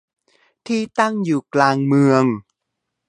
ที่ตั้งอยู่กลางเมือง